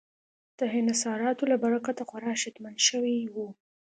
د انحصاراتو له برکته خورا شتمن شوي وو.